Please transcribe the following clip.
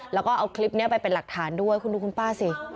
แล้วก็เอาคลิปนี้ไปเป็นหลักฐานด้วยคุณดูคุณป้าสิ